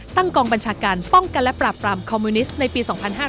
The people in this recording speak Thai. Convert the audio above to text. กองบัญชาการป้องกันและปราบปรามคอมมิวนิสต์ในปี๒๕๕๙